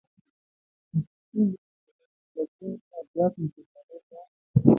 مشرقي زون اقليمي بدلون نه زيات متضرره دی.